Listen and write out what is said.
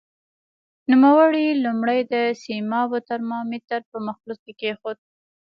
نوموړی لومړی د سیمابو ترمامتر په مخلوط کې کېښود.